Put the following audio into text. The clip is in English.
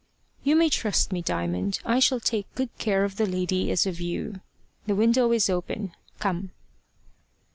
"You may trust me, Diamond. I shall take as good care of the lady as of you. The window is open. Come."